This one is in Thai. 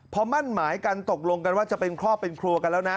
พอมั่นหมายกันตกลงกันว่าจะเป็นครอบครัวเป็นครัวกันแล้วนะ